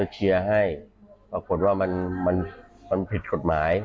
เชียร์ให้ปรากฏว่ามันผิดกฎหมาย